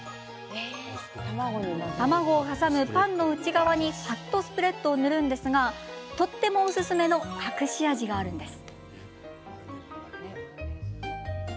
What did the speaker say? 卵を挟むパンの内側にファットスプレッドを塗るんですがとってもおすすめの隠し味があるんです。